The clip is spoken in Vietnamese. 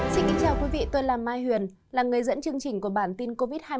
xin kính chào quý vị tôi là mai huyền là người dẫn chương trình của bản tin covid một mươi chín hai mươi bốn h